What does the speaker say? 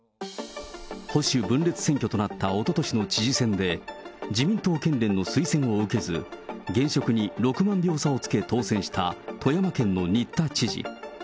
保守分裂選挙となったおととしの知事選で、自民党県連の推薦を受けず、現職に６万票差をつけ、当選した、富山県の新田知事。